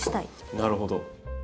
なるほど。